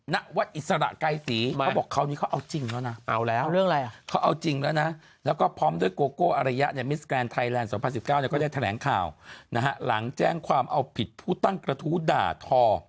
๒๐๑๙เนี่ยก็ได้แถลงข่าวนะฮะหลังแจ้งความเอาผิดผู้ตั้งกระทู้ด่าทอ